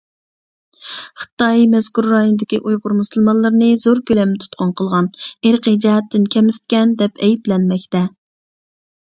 خىتاي «مەزكۇر رايوندىكى ئۇيغۇر مۇسۇلمانلىرىنى زور كۆلەمدە تۇتقۇن قىلغان، ئىرقىي جەھەتتىن كەمسىتكەن» دەپ ئەيىبلەنمەكتە.